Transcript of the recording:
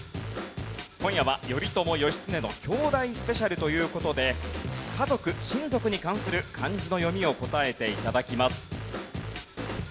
今夜は頼朝・義経の兄弟スペシャルという事で家族・親族に関する漢字の読みを答えて頂きます。